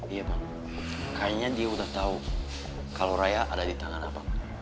iya bang kayaknya dia udah tahu kalau raya ada di tangan apa